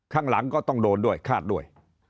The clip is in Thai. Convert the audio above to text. ข้างหลังก็ต้องโดนด้วยคาดด้วย